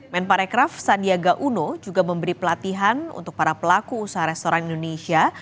men parekraf sandiaga uno juga memberi pelatihan untuk para pelaku usaha restoran indonesia